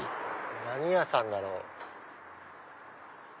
何屋さんだろう？